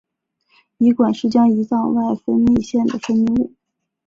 胰管是将胰脏外分泌腺的分泌物。